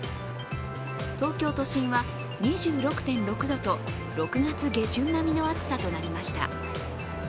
東京都心は２６．６度と６月下旬の暑さとなりました。